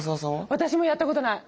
私もやったことない。